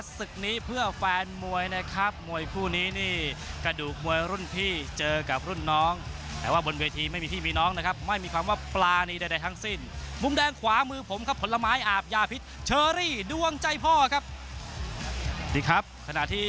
สุดท้ายสุดท้ายสุดท้าย